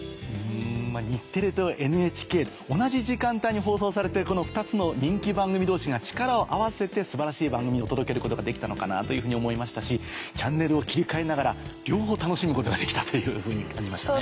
日テレとＮＨＫ同じ時間帯に放送されてるこの２つの人気番組同士が力を合わせて素晴らしい番組を届けることができたのかなというふうに思いましたしチャンネルを切り替えながら両方楽しむことができたというふうに感じましたね。